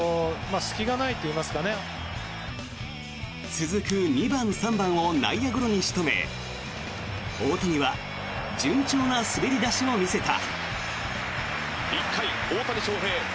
続く２番、３番を内野ゴロに仕留め大谷は順調な滑り出しを見せた。